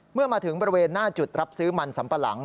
เมื่อมาถึงบริเวณหน้าจุดรับซื้อมันสัมปะหลัง